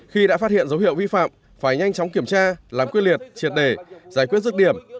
khi đã phát hiện dấu hiệu vi phạm phải nhanh chóng kiểm tra làm quyết liệt triệt đề giải quyết rứt điểm